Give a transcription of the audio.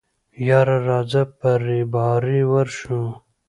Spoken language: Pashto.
يره راځه په رېبارۍ ورشو.